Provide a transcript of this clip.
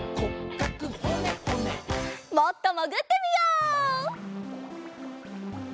もっともぐってみよう！